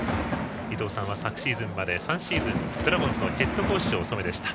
伊東さんは昨シーズンまで３シーズン、ドラゴンズのヘッドコーチをお務めでした。